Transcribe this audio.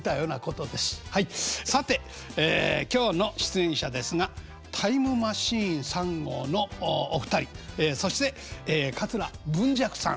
さて今日の出演者ですがタイムマシーン３号のお二人そして桂文雀さん。